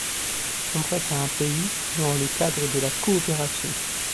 On prête à un pays dans le cadre de la coopération.